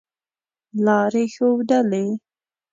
لاري ښودلې.